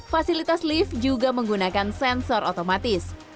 fasilitas lift juga menggunakan sensor otomatis